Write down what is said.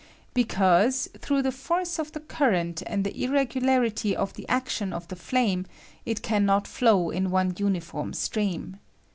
Be cause, through the force of the current and the irregularity of the action of the flame, it can not flow in one uniform stream.